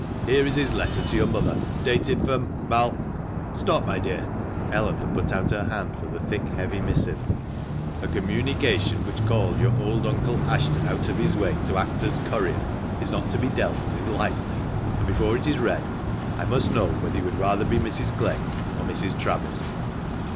Here is his letter to your mother, dated from Mai — Stop, my dear!" — Ellen had put out her hand for the thick, heavy missive — "A communication which called your old uncle 4H THE MANCHESTER MAN. Ashton out of his way to act as courier is not to be dealt with lightly. And before it is read I must know whether you would rather be Mrs. Clegg or Mrs. Travis